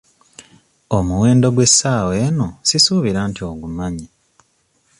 Omuwendo gw'essaawa eno sisuubira nti ogumanyi.